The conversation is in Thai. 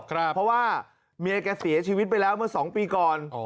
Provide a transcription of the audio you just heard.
เพราะว่าเมียแกเสียชีวิตไปแล้วเมื่อ๒ปีก่อน